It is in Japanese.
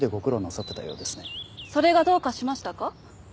それがどうかしましたか？